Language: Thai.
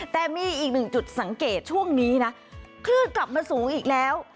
แต่มีอีกหนึ่งจุดสังเกตช่วงนี้นะคลื่นกลับมาสูงอีกแล้ว